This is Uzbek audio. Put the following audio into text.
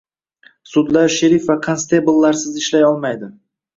Sudlar sherif va konstebllarsiz ishlay olmaydi